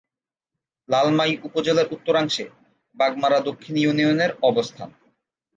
লালমাই উপজেলার উত্তরাংশে বাগমারা দক্ষিণ ইউনিয়নের অবস্থান।